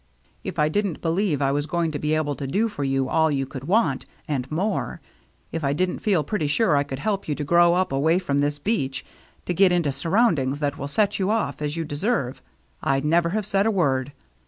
If I didn't believe I was going to be able to do for you all you could want, and more; if I didn't feel pretty sure I could help you to grow up away from this beach, to get into surroundings that will set you off as you de serve, I'd never have said a word.